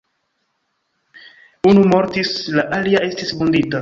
Unu mortis, la alia estis vundita.